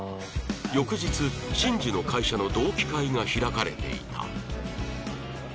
翌日慎二の会社の同期会が開かれていた